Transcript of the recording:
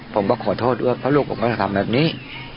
ผมก็ขอโทษด้วยเพราะลูกผมก็จะทำแบบนี้